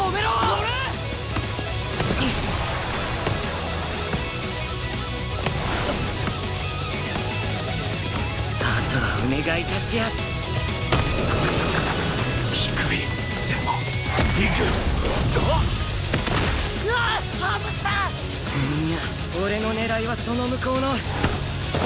俺の狙いはその向こうの。